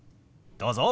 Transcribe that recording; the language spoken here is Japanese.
どうぞ。